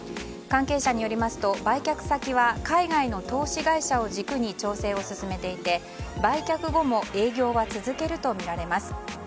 関係者によりますと売却先は海外の投資会社を軸に調整を進めていて売却後も営業は続けるとみられます。